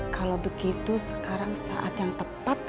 kalau begitu sekarang saat yang tepat